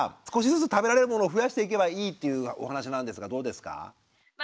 少しずつ食べられるものを増やしていけばいいっていうお話なんですがどうですか？